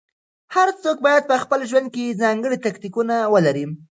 هر څوک بايد په خپل ژوند کې ځانګړي تاکتيکونه ولري.